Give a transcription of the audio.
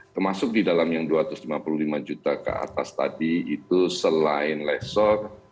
termasuk di dalam yang dua ratus lima puluh lima juta ke atas tadi itu selain lesor